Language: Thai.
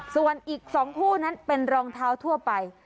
ส่วนอีก๒คู่นั้นเป็นรองเท้าทั่วไป